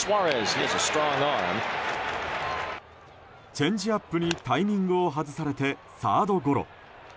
チェンジアップにタイミングを外されてサードゴロ。